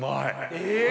え。